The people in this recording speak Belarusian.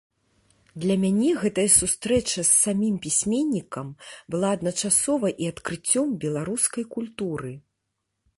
Для мяне гэтая сустрэча з самім пісьменнікам была адначасова і адкрыццём беларускай культуры.